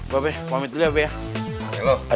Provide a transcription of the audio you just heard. harus cari duit kemana ya